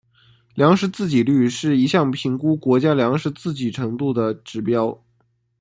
粮食自给率是一项评估国家粮食自给程度的指标。